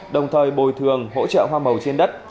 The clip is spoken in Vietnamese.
đồng thời bồi thường hỗ trợ hoa màu trên đất